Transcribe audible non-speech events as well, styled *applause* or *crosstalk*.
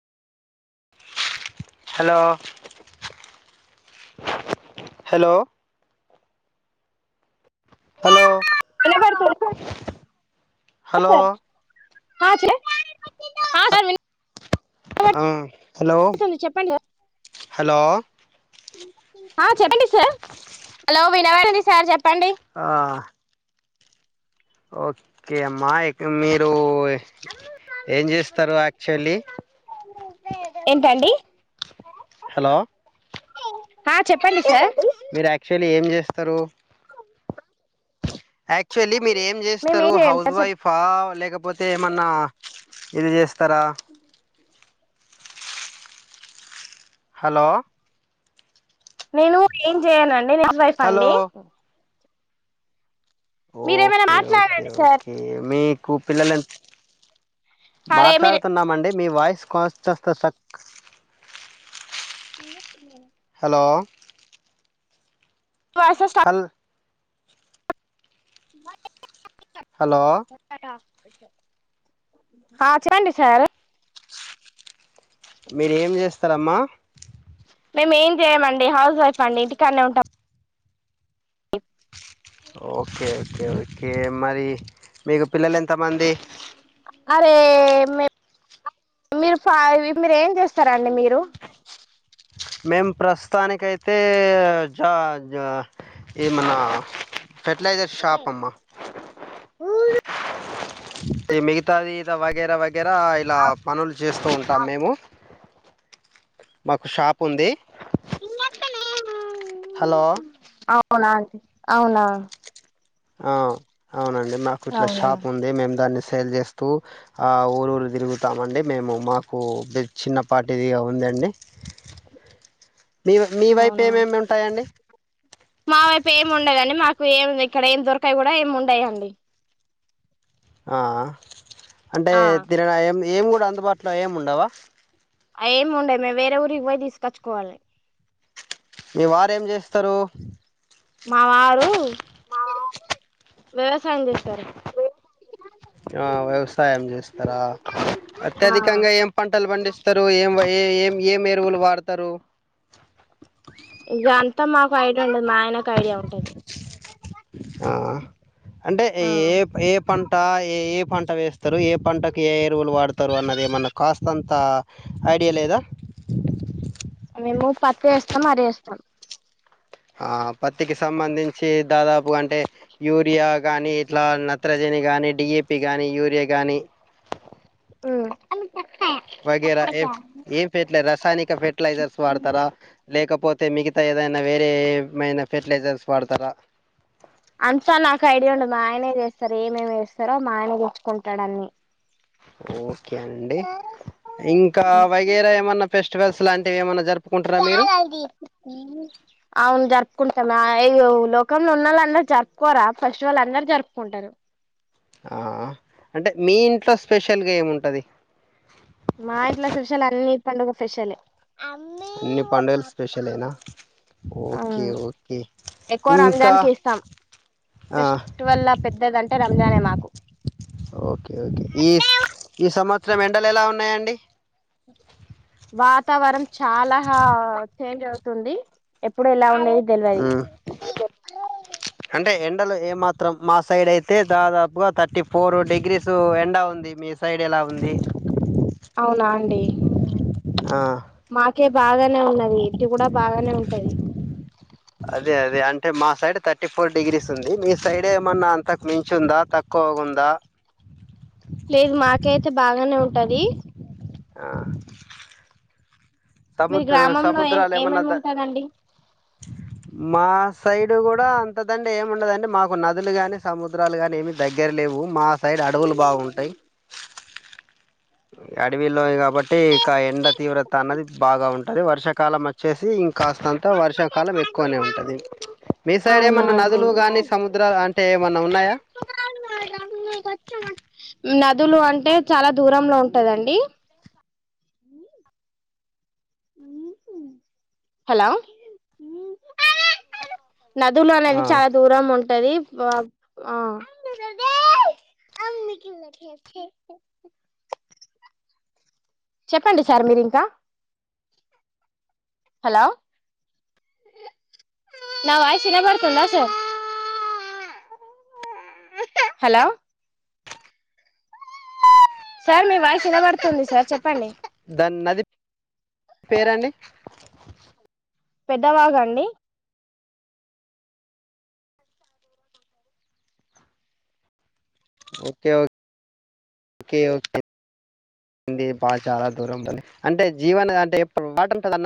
Hello hello hello వినపడుతుంద hello ఆ చే ఆ చే ఆ హలో వినపడుతుంది చెప్పండి సార్ హలో ఆ చెప్పండి సార్ హలో వినవడని సార్ చెప్ప ఆ ఓకే అమ్మా మీరు ఏం చేస్తారు యాక్చువల్లీ ఏంటండి హలో *unintelligible* సార్ ఏంటండీ మీరు యాక్చువల్లీ ఏం చే తరు యాక్చువల్లీ మీరు ఏం మేము చేస్తారు ఏం చేయం హౌస్ సార్ చెప్ వైఫా లే లేకపోతే ఏమన్నా ఇది చేస్తారా హలో నేను ఏం చేయనండి నేను హౌస్ వైఫ్ హలో అండి మీరేమైనా ఓకే ఓకే మాట్లాడండి సార్ ఓకే మీ కూ పిల్లలు ఎంత అరే మీరు మాట్లాడుతున్నామండి మీ వాయిస్ కాస్ట్ స్ సక్ ఇ హలో మీ వాయిస్ స్టాక్ హల్ బ హలో *unintelligible* హ చెప్పండి సార్ మీర ఏం చేస్తారమ్మా మేము ఏం చేయమండి హౌస్ వైఫ్ అండి ఇంటికనే ఉంటాం ఓకే ఓకే ఓకే ఓకే మరి మీకు పిల్లలు ఎంత ఎంతమంది అరే మీరు మీరు ఫ మీరు ఏం చేస్తారండి మీరు మేము ప్రస్తుతానినికి అయితే జా జా ఏమన్నా ఫర్టిలైజర్ షాప్ అమ్మ తి మిగతాది వగేర వగె దగ్గర ఇలా పనులు చేస్తూ ఉం మేము మాకు షాప్ ఉంది చిన్నాకనే హలో అవునా అండి అవున ఆ అవునండి మాకు ఇట్లా అవునా షాప్ ఉంది మేము దాన్ని సేల్ చేస్తూ ఆ ఊరు ఊరు తిరుగుతామండి మేము మాకు బి చిన్నపాటిదిగా ఉందండి మీ మీ వైపు అవునా ఏమేమి ఉంటాయండి ఏ ఇక్కడ ఏం దొరకాయి కూడా ఏం ఉండయండి ఆ అంటే ఆ తినరా ఏ మి ఏం కూడా అందుబాటులో ఏము ఉండవా అ ఏమి ఉండయి మేము వేరే ఊరికి పోయి తీసుకొచ్చుకోవాలి మీ వారు ఏం చేస్తరు మా వారు వ్యవసాయం చేస్తారు ఆ వ్యవసాయం చేస్తారా ఆ అత్యధికంగా ఏం పంటలు బండి స్తారు ఏం ఏ ఏం ఏం ఎరువులు వాడతారు జాంతమ్ మాకైడియా ఉండదు మా ఆయనకు ఐడియా ఉంటది ఆ అంటే ఆ ఏ ఏ పంట ఏ ఏ పంట పంట వేస్తరు ఏ పంటకి ఏ ఏ వులు వాడతారు అన్నది ఏమన్న కాస్ అంత ఐడియా లేదా మేము పత్ ఏస్తం అరి ఏస్తం ఆ పత్తికి సంబంధించి దాదాపు అంటే యూరియా కానీ ఇట్లా నత్రజని కానీ డిఏపి కానీ యూరియా కానీ ఉమ్ వగేర ఏ ఏం ఫర్ రసాయనిక ఫర్టిలైజర్స్ వాడతారా లేకపోతే మిగతా ఏదైనా వేరే ఏమైనా ఫర్టిలైజర్స్ వాడతరా అంతా స్తర మా ఆయన తెచ్చుకుంటారన్ని ఒకే అండి ఇంకా వగేర ఏమన్న ఫెస్టివల్స్ లాం టె ఏమన్న జరుప్ అవును జర్ రుకుంటాం అ ఇగ లోకంలో ఉన్నల్లో అందరు జరుపుకోరా ఫెస్టివెల్ అందరు జరుపుకుంటరు ఆ ఆ అంటే మీ ఇంట్లో స్పెషల్గా ఏముంటది మా ఇంట్లో స్పెషల్ అన్ని పండుగ స్పెషలే అన్ని పడుగలు స్పెషల్యినా ఒకే ఉమ్, ఒకే ఎక్కువ ఇంకా రంజాన్ కి ఇస్తాం ఫెస్టివల్ లా పెద్దదంటే రంజానే మాకు ఒకే ఒకే ఈ ఈ సంవత్సర రం ఎండల్ ఎలా ఉన్నాయండి వాతావరణ చాలా హా చేంజ్ అవుతుంది ఎప్పుడు లా లేద్ హ్మ్ అంటే ఎం ఎండలు ఏమాత్రం మా సైడ్ అయితే దాదాపుగా థర్టీ ఫోర్ డిగ్రీస్ ఎండ ఉంది మీ సైడ్ ఎలా ఉంది అవునా అండి ఆ మాకే బాగానే ఉన్నది ఇంటి కూడ బాగానే ఉంటది అదే అదే అంటే మా సైడ్ థర్టీ ఫోర్ డిగ్రీస్ ఉంది మీ సైడ్ ఏమన్నా అంతకు మించు ఉందా తక్కువ ఉందా లేదు మాకయితే బాగానే ఉంటది ఆ మీ సముద్ర గ్రామంలో ఏ సముద్రాలు ఏమన్నా ఏమేమి ద ఉంటందండి మా సైడ్ కూడ అంతదండి ఏముండదండి మాకు నదులు కాని సముద్రాలు కాని ఏమి దగ్గర లేవు మా సైడ్ అడవులు బాగుంటాయి అడవిలో కాబట్టి ఇక ఎండ తీవ్రత అన్నది బాగా ఉంటది. వర్షాకాలం వచ్చేసి ఇం కాస్త అంత వర్షాకాలం ఎక్కువనే ఉంటది. మీ సైడ్ అవునా ఏమన్నా అండి నదులు గానీ సముద్రాలు అంటే ఏమన్నా ఉన్నాయా. నదులు అంటే చాలా దూరంలో ఉంటదండి. హలో నదులు ఆ అనేది చాలా దూరం ఉం టాది. వ ఆహ్ చెప్పండి. సార్ మీరింకా హలో నా వయిస్ వినాబడుతుంద. సార్ హలో సార్ మీ వాయిస్ వినపడుతుంది సార్ చెప్పండి. దాని నది పేరండి. పెద్దవాగాండి. ఒకే ఓక్ కి ఒకే డి బా చాలా దూరం ఉంది. అంటే జీవన అంటే ఇప్పుడు వటరూంటదన్న.